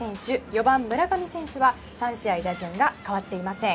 ４番、村上選手は３試合打順が変わっていません。